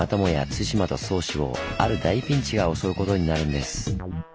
対馬と宗氏をある大ピンチが襲うことになるんです。